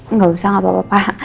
enggak usah gak apa apa pak